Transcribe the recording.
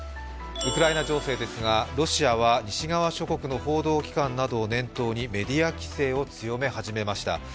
ウクライナ情勢ですがロシアは西側諸国の報道機関などを念頭にメディア規制を強めはじめました。